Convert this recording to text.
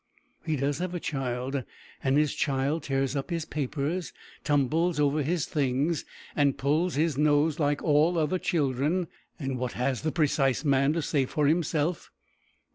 He does have a child, and his child tears up his papers, tumbles over his things, and pulls his nose like all other children; and what has the precise man to say for himself?